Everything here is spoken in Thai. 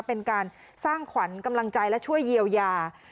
เป็นการสร้างขวัญกำลังใจและช่วยเยียวยา